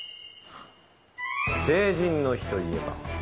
成人の日といえば。